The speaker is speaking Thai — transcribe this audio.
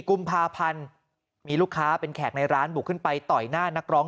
กุมภาพันธ์มีลูกค้าเป็นแขกในร้านบุกขึ้นไปต่อยหน้านักร้อง